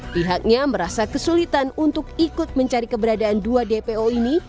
pihaknya merasa kesulitan untuk ikut mencari keberadaan dua dpo ini